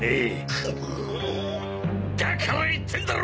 くぬうだから言ってんだろ！？